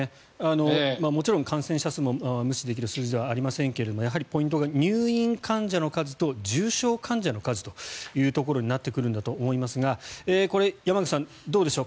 もちろん感染者数も無視できる数字ではありませんがやっぱりポイントが入院患者と重症患者の数ということになってくるんだと思いますが山口さん、どうでしょう。